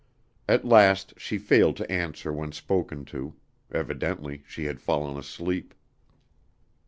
At last she failed to answer when spoken to; evidently she had fallen asleep.